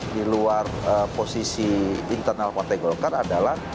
di luar posisi internal ktp adalah